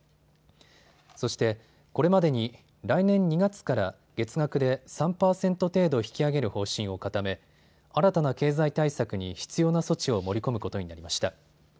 そして、これまでに来年２月から月額で３％程度引き上げる方針を固め新たな経済対策に必要な措置を盛り込むことになりました。